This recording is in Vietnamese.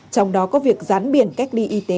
trong đó có việc rán biển cách ly y tế